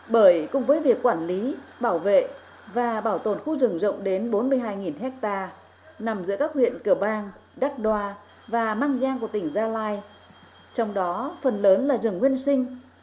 bởi cùng với việc quản lý bảo vệ và bảo tồn khu rừng rộng đến bốn mươi hai ha nằm giữa các huyện cửa bang đắc đoa và mang giang của tỉnh gia lai trong đó phần lớn là rừng nguyên sinh